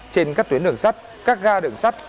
trên các tuyến đường sắt các ga đường sắt